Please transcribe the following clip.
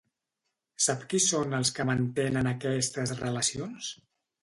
Sap qui són els que mantenen aquestes relacions?